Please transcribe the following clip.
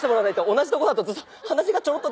同じとこだとずっと。